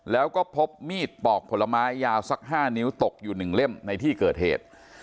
แล้วก็พบมีดปอกผลไม้ยาวสัก๕นิ้วตกอยู่๑เล่มในที่เกิดเหตุ